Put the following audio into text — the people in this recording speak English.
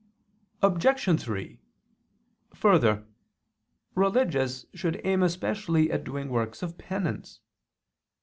Obj. 3: Further, religious should aim especially at doing works of penance.